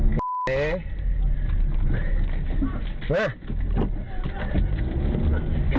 กลับไป